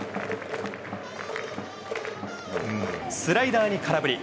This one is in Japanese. スライダーに空振り。